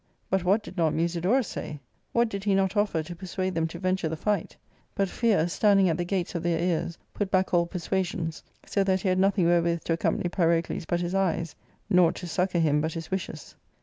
But what did not Musidorus say ? What did he not offer to persuade them to venture the fight ? But feay^ standing at the gates of their ears, put back all p^n^^) a firing ; so that he had nothing where with to accompany Pyrocles but his e^es7 nought to succour him biathigjKishfis.